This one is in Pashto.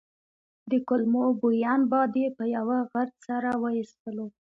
د کولمو بوین باد یې په یوه غرت سره وايستلو.